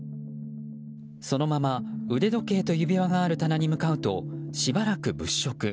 そのまま腕時計と指輪がある棚に向かうとしばらく物色。